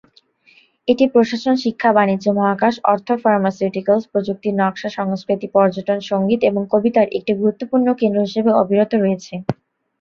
এটি প্রশাসন, শিক্ষা, বাণিজ্য, মহাকাশ, অর্থ, ফার্মাসিউটিক্যালস, প্রযুক্তি, নকশা, সংস্কৃতি, পর্যটন, সংগীত এবং কবিতার একটি গুরুত্বপূর্ণ কেন্দ্র হিসাবে অবিরত রয়েছে।